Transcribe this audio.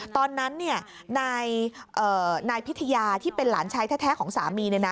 ตอนนั้นนายพิทยาที่เป็นหลานชายแท้ของสามี